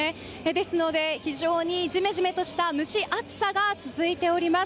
ですので、非常にジメジメとした蒸し暑さが続いています。